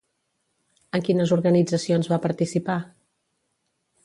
En quines organitzacions va participar?